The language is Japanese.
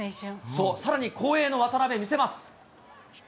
そう、さらに後衛の渡辺、見せます。